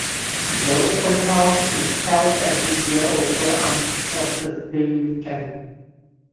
The open house is held every year over Armed Forces Day weekend.